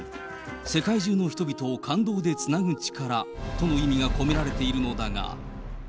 世界中の人々を感動でつなぐ力との意味が込められているのだが。